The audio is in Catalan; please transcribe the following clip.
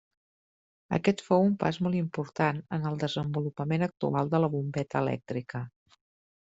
Aquest fou un pas molt important en el desenvolupament actual de la bombeta elèctrica.